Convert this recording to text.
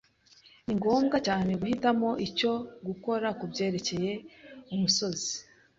Ni ngombwa cyane guhitamo icyo gukora kubyerekeye umusozi.